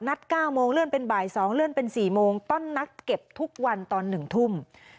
๙โมงเลื่อนเป็นบ่าย๒เลื่อนเป็น๔โมงต้นนัดเก็บทุกวันตอน๑ทุ่ม